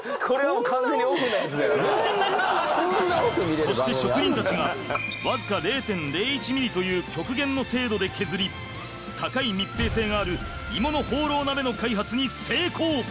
そして職人たちがわずか０．０１ｍｍという極限の精度で削り高い密閉性がある鋳物ホーロー鍋の開発に成功。